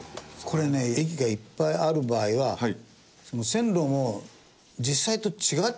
これね駅がいっぱいある場合は線路の実際と違っちゃうんですよね。